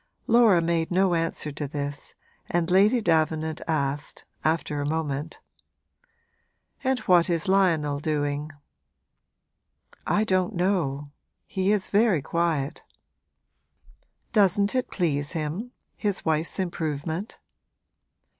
Laura made no answer to this and Lady Davenant asked, after a moment: 'And what is Lionel doing?' 'I don't know he is very quiet.' 'Doesn't it please him his wife's improvement?'